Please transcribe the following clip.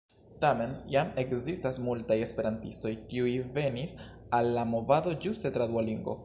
Tamen jam ekzistas multaj esperantistoj, kiuj venis al la movado ĝuste tra Duolingo.